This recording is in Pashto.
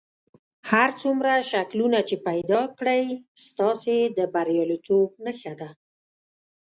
هر څومره شکلونه چې پیدا کړئ ستاسې د بریالیتوب نښه ده.